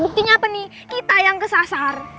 buktinya apa nih kita yang kesasar